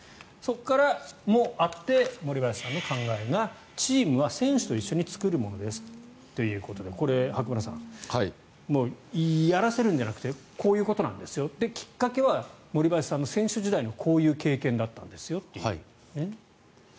それもあって森林さんの考えがチームは選手と一緒に作るものですということで白村さんやらせるんじゃなくてこういうことなんですよきっかけは森林さんの選手時代のこういう経験だったんですよと。